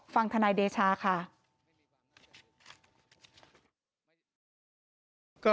ฟังทนายเดชาค่ะ